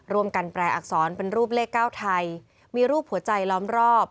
ร่วมกันแปลอักษรเป็นรูปเลขเก้าไทยมีรูปผัวใจล้อมรอบ